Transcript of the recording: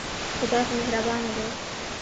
خدای خو مهربانه دی.